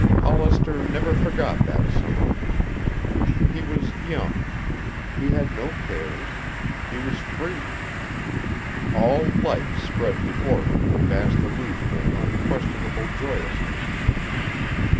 Hollister never forgot that summer. He was young. He had no cares. He was free. All life spread before him in a vast illusion of unquestionable joyousness.